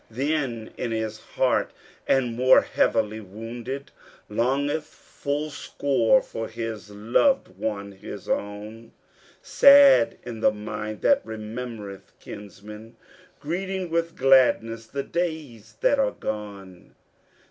Then in his heart the more heavily wounded, Longeth full sore for his loved one, his own, Sad is the mind that remembereth kinsmen, Greeting with gladness the days that are gone.